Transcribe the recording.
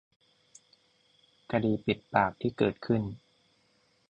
คดี ปิดปาก ที่เกิดขึ้น